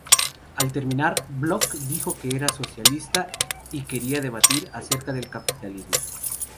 Al terminar, Block dijo que era socialista y quería debatir acerca del capitalismo.